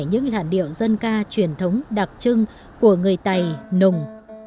những làn điệu dân ca truyền thống đặc trưng của người tày nùng